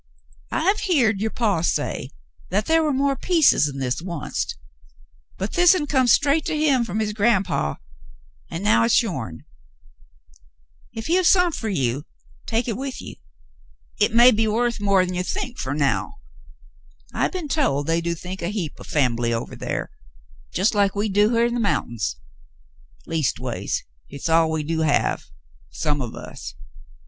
"I've heered your paw say 'at ther war more pleces'n this, oncet, but this'n come straight to him from his grand paw, an' now hit's yourn. If he have sont fer ye, take hit with ye. Hit may be wuth more'n you think fer now. I been told they do think a heap o' fambly ovah thar, jest like we do here in the mountins. Leastways, hit's all we do have — some of us.